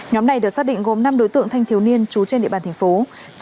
nhóm này được xác định gồm năm đối tượng thanh thiếu niên trú trên địa bàn thành phố